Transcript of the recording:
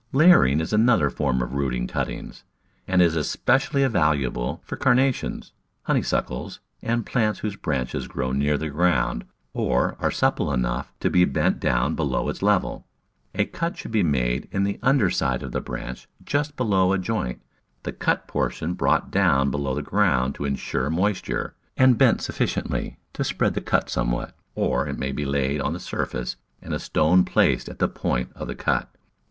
Layering is another form of rooting cuttings, and is especially valuable for Carnations, Honeysuckles, and plants whose branches grow near the ground or are supple enough to be bent down below its level. A cut should be made in the under side of a branch just below a joint, the cut portion brought down below the ground to insure moisture, and bent sufficiently to spread the cut somewhat, or it may be laid on the surface and a stone placed at the point of the cut.